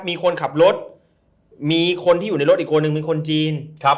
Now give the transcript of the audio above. มีคนขับรถมีคนที่อยู่ในรถอีกคนหนึ่งมีคนจีน